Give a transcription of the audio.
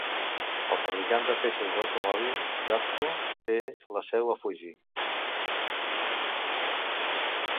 El fabricant de peces d'automòbils Jatco té la seu a Fuji.